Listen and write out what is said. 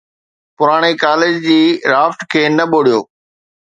پراڻي ڪاليج جي رافٽ کي نه ٻوڙيو.